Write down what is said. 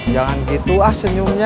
jangan gitu ah senyumnya